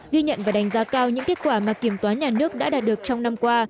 ghi nhận và đánh giá cao những kết quả mà kiểm toán nhà nước đã đạt được trong năm qua